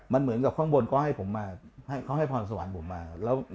มันเหมือนกับข้างบนก็ให้ป่อนสวรรค์ผมมา